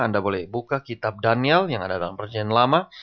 anda boleh buka kitab daniel yang ada dalam perjalanan lama